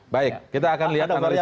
baik kita akan lihat analisa